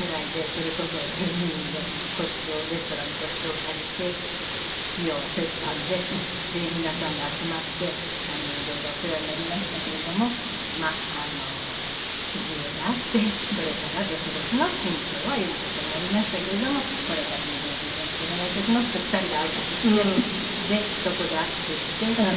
それこそ１２人で個室をレストランの個室を借りて費用は折半で皆さんが集まって「いろいろお世話になりましたけれどもまあ事情があってこれから別々の人生を歩む事になりましたけれどもこれからもどうぞよろしくお願いいたします」って２人であいさつしてそこで握手して別れたのね。